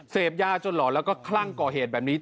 เสพยาจนหลอนแล้วก็คลั่งก่อเหตุแบบนี้